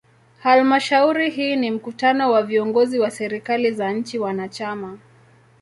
Halmashauri hii ni mkutano wa viongozi wa serikali za nchi wanachama.